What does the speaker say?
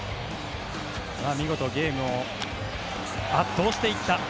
見事、ゲームを圧倒していった。